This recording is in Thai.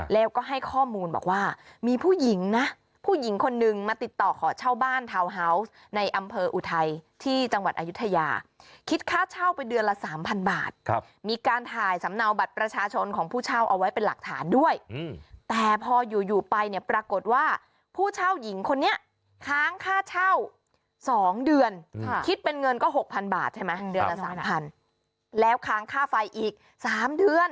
บอกว่ามีผู้หญิงนะผู้หญิงคนนึงมาติดต่อขอเช่าบ้านทาวน์เฮาส์ในอำเภออุทัยที่จังหวัดอายุทยาคิดค่าเช่าไปเดือนละ๓๐๐๐บาทครับมีการถ่ายสำเนาบัตรประชาชนของผู้เช่าเอาไว้เป็นหลักฐานด้วยแต่พออยู่ไปเนี่ยปรากฏว่าผู้เช่าหญิงคนนี้ค้างค่าเช่า๒เดือนคิดเป็นเงินก็๖๐๐๐บาทใช่ไหม